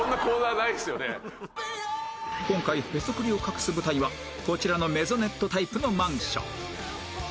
今回へそくりを隠す舞台はこちらのメゾネットタイプのマンション